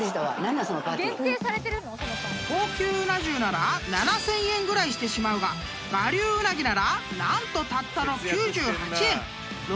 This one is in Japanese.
［高級うな重なら７，０００円ぐらいしてしまうが我流うなぎなら何とたったの９８円！］